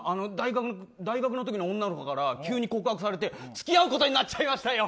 大学の女の子から急に告白されて付き合うことになっちゃいましたよ。